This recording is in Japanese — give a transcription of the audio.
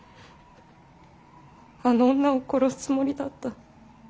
あの女を殺すつもりだった。